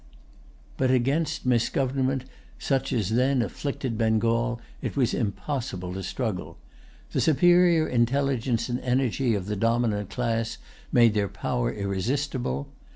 But against misgovernment such as then[Pg 122] afflicted Bengal it was impossible to struggle. The superior intelligence and energy of the dominant class made their power irresistible.